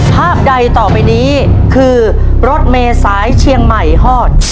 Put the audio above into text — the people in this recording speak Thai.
ภาพใดต่อไปนี้คือรถเมษายเชียงใหม่ฮอด